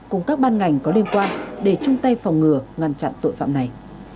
cùng các ban ngành có liên quan để chung tay phòng ngừa ngăn chặn tội phạm này